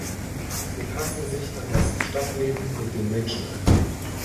Sie passen sich an das Stadtleben mit den Menschen an.